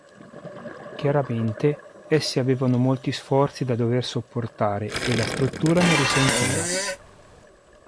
Chiaramente essi avevano molti sforzi da dover sopportare e la struttura ne risentiva.